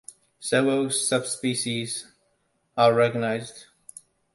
Several subspecies are recognized.